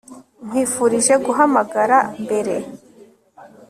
Nkwifurije guhamagara mbere